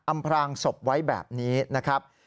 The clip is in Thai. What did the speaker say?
พรางศพไว้แบบนี้นะครับ